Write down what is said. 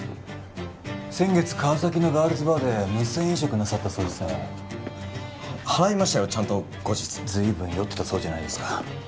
先月川崎のガールズバーで無銭飲食なさったそうですねは払いましたよちゃんと後日随分酔ってたそうじゃないですか